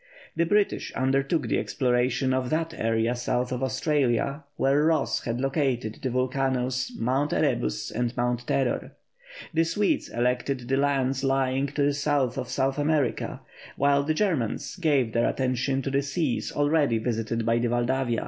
The British undertook the exploration of that area south of Australia, where Ross had located the volcanoes Mount Erebus and Mount Terror; the Swedes selected the lands lying to the south of South America, while the Germans gave their attention to the seas already visited by the Valdavia.